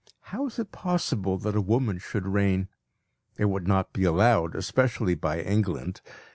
How is it possible that a woman should reign? It would not be allowed, especially by England.